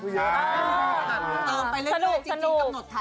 ก็จะอย่างทุกมุก